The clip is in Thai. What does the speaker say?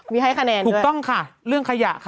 มีให้คะแนนถูกต้องค่ะเรื่องขยะค่ะ